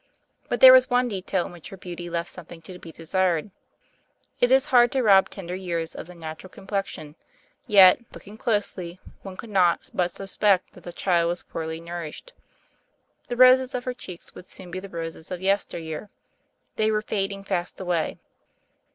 But there was one detail in which her beauty left something to be desired. It is hard to rob tender years of the natural complexion; yet, looking closely, one could not but suspect that the child was poorly nourished. The roses of her cheeks would soon be the roses of yester year. They were "fading fast away."